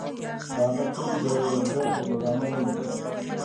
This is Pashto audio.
د هغه سترګې د جو په پوکاڼو ولګیدې